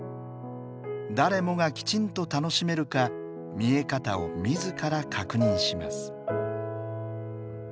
誰もがきちんと楽しめるか見え方を自ら確認します。